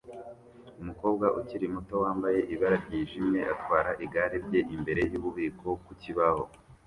Umukobwa ukiri muto wambaye ibara ryijimye atwara igare rye imbere yububiko ku kibaho